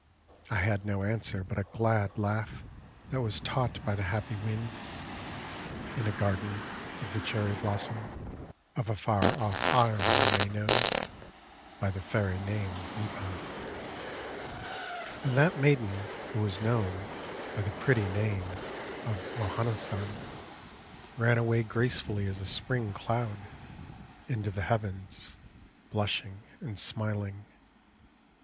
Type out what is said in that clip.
* I had no answer but a glad laugh That was taught by the happy wind In a garden of the cherry blossom ^* I found thee out * in English. 44 Hana San Of a far off isle you may know By the fairy name of Nippon. And that maiden who was known By the pretty name of O Hana San, Ran away gracefully as a Spring cloud Into the heavens, blushing and smiling